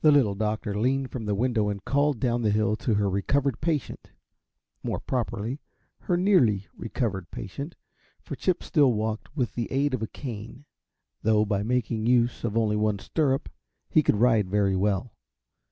The Little Doctor leaned from the window and called down the hill to her recovered patient more properly, her nearly recovered patient; for Chip still walked with the aid of a cane, though by making use of only one stirrup he could ride very well.